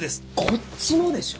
こっちもでしょ！